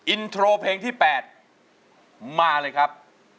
อินโทรเพลงที่๘มาเลยครับ